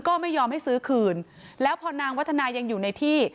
ก็ไม่ยอมให้ซื้อคืนแล้วพอนางวัฒนายังอยู่ในที่